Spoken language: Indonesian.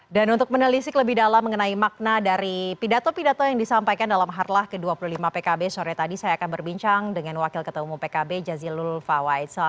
dan untuk menelisik lebih dalam mengenai makna dari pidato pidato yang disampaikan dalam harlah ke dua puluh lima pkb sore tadi saya akan berbincang dengan wakil ketemu pkb jazilul fawaitz